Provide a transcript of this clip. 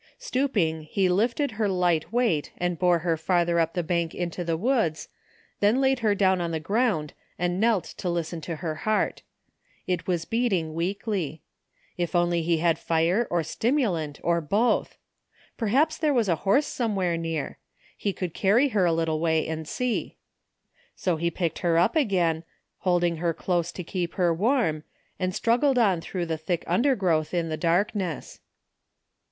Stooping, he lifted her light weight and bore her farther up the bank into the woods, then laid her down on the ground and knelt to listen to her heart. It was 36 THE FINDING OF JASPER HOLT beating weakly. If only he had fire or stimulant or both! Perhaps there was a house somewhere near. He would carry her a little way and see. So he picked her up again^ holding her close to keep her warm, and struggled on through the thick imdergrowth in the darkness.